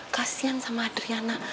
kasian sama adriana